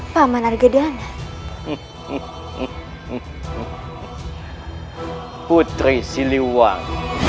paman argedan putri siliwang